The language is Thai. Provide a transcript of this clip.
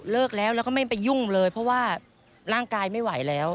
แล้วแล้วก็ไม่ไปยุ่งเลยเพราะว่าร่างกายไม่ไหวแล้ว